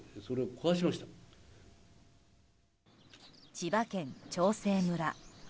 千葉県長生村。